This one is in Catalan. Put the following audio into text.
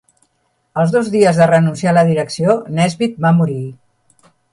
Als dos dies de renunciar a la direcció, Nesbitt va morir.